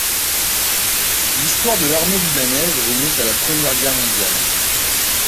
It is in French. L’histoire de l’armée libanaise remonte à la Première Guerre mondiale.